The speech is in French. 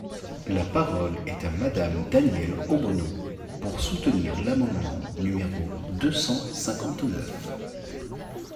La parole est à Madame Danièle Obono, pour soutenir l’amendement numéro deux cent cinquante-neuf.